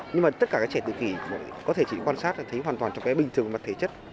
nhưng mà tất cả các trẻ tự kỷ có thể chỉ quan sát thấy hoàn toàn bình thường về mặt thể chất